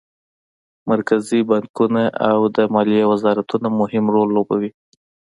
مرکزي بانکونه او د مالیې وزارتونه مهم رول لوبوي